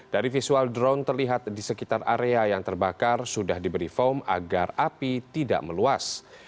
dari visual drone terlihat di sekitar area yang terbakar sudah diberi foam agar api tidak meluas